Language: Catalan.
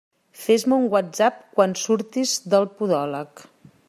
Fes-me un Whatsapp quan surtis del podòleg.